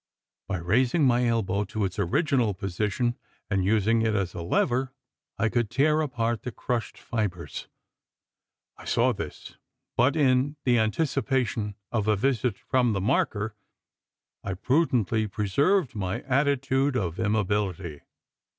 By raising my elbow to its original position, and using it as a lever, I could tear apart the crushed fibres. I saw this; but in the anticipation of a visit from the marker, I prudently preserved my attitude of immobility.